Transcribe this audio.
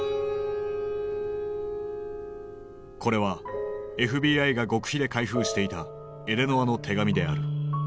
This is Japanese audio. これはＦＢＩが極秘で開封していたエレノアの手紙である。